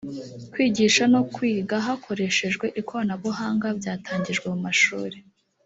kwigisha no kwiga hakoreshejwe ikoranabuhanga byatangijwe mu mashuri